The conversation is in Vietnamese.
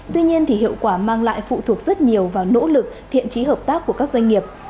tuy nhiên thì hiệu quả mang lại phụ thuộc rất nhiều vào nỗ lực thiện trí hợp tác của các doanh nghiệp